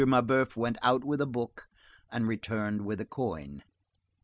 Mabeuf went out with a book and returned with a coin.